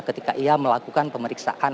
ketika ia melakukan pemeriksaan